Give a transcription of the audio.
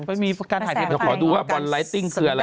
มันมีการถ่ายเทมันจะขอดูว่าบอลไลทติ้งคืออะไร